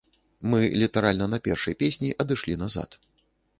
Мы літаральна на першай песні адышлі назад.